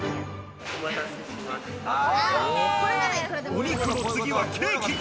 お肉の次はケーキ。